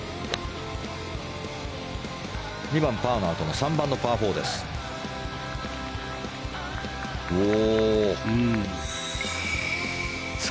２番、パーのあとの３番のパー４です。